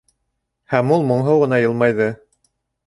Һәм ул моңһоу ғына йылмайҙы.